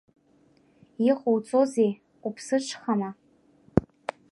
Иҟоуҵозеи, уԥсыҽхама?